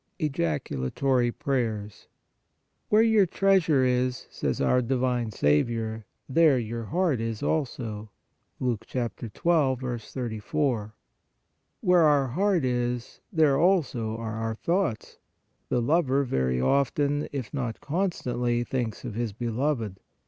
EJACULATORY PRAYERS. " Where your treasure is," says our divine Saviour, " there your heart is also" (Luke 12. 34). Where our heart is, there also are our thoughts. The lover very often, if not constantly, thinks of his beloved.